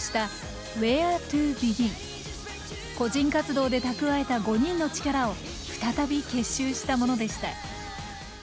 個人活動で蓄えた５人の力を再び結集したものでした。